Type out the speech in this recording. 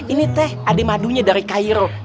ini teh ade madunya dari cairo